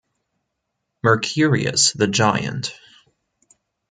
Mercurius the giant.